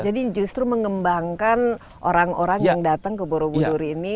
jadi justru mengembangkan orang orang yang datang ke borobudur ini